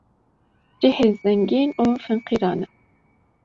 cihê zengîn û feqîran e